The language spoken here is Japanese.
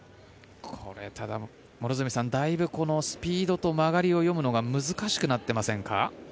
これは両角さんだいぶスピードと曲がりを読むのが難しくなってませんか？